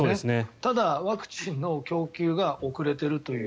ただ、ワクチンの供給が遅れているという。